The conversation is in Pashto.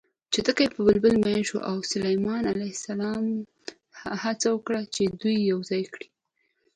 چتکي په بلبله مین شو او سلیمان ع هڅه وکړه چې دوی یوځای کړي